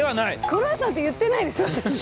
クロワッサンって言ってないです私。